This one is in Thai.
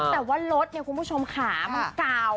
แต่ว่ารถคุณผู้ชมค่ามันเก่า